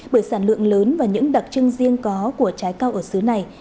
bởi sản lượng lớn và những đặc trưng riêng có của trái cao ở xứ này